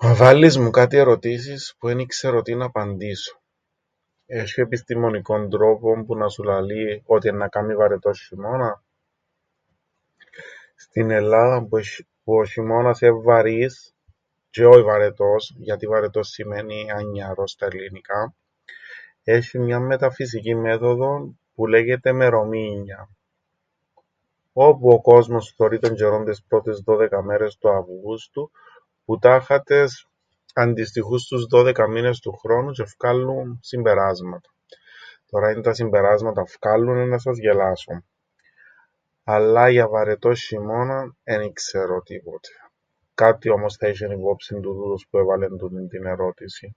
Μα βάλλεις μου κάτι ερωτήσεις που εν ι-ξέρω τι να απαντήσω. Έσ̆ει επιστημονικόν τρόπον που να σου λαλεί ότι εννά κάμει βαρετόν σ̆ειμώναν; Στην Ελλάδαν που ο σ̆ειμώνας εν' βαρύς τζ̆αι όι βαρετός –γιατί βαρετός σημαίνει ανιαρός στα ελληνικά– έσ̆ει μιαν μεταφυσικήν μέθοδον που λέγεται μερομήνια, όπου ο κόσμος θωρεί τον τζ̆αιρόν τες πρώτες δώδεκα μέρες του Αυγούστου, που τάχατες αντιστοιχούν στους δώδεκα μήνες τους χρόνου τζ̆αι φκάλλουν συμπεράσματα. Τωρά ίντα συμπεράσματα φκάλλουν εννά σας γελάσω... αλλά για βαρετόν σ̆ειμώναν εν ι-ξέρω τίποτε... κάτι όμως θα είσ̆εν υπόψην του τούτος που έβαλεν τούτην την ερώτησην.